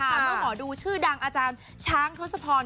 เพราะหมอดูชื่อดังอาจารย์ช้างทศพร